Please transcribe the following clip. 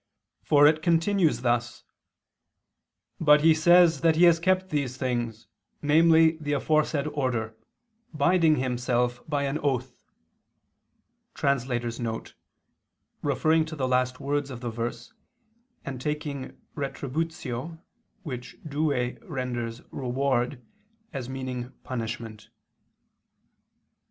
For it continues thus: "But he says that he has kept these things, namely the aforesaid order, binding himself by an oath [*Referring to the last words of the verse, and taking retributio, which Douay renders reward, as meaning 'punishment'].